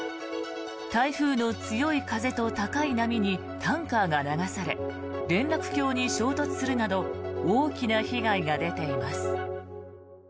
台風の強い風と高い波にタンカーが流され連絡橋に衝突するなど大きな被害が出ています。